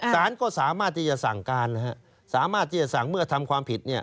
สารก็สามารถที่จะสั่งการสามารถที่จะสั่งเมื่อทำความผิด